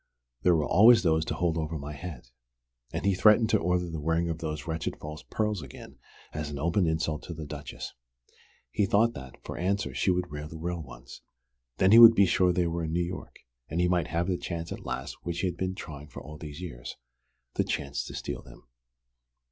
There were always those to hold over my head. And he threatened to order the wearing of those wretched false pearls again as an open insult to the Duchess. He thought that, for answer, she would wear the real ones! Then he would be sure they were in New York, and he might have the chance at last which he'd been trying for all these years: the chance to steal them."